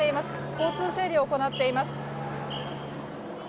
交通整理を行っています。